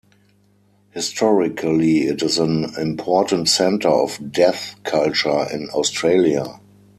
Historically it is an important centre of deaf culture in Australia.